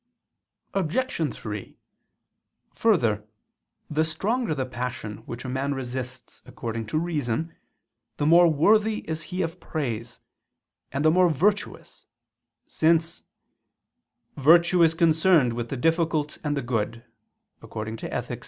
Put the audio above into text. Obj. 3: Further, the stronger the passion which a man resists according to reason, the more worthy is he of praise, and the more virtuous: since "virtue is concerned with the difficult and the good" (Ethic.